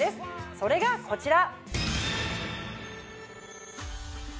それがこちら！